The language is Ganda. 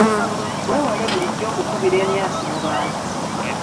Weewale bulijjo okukubira emyasi mu bantu.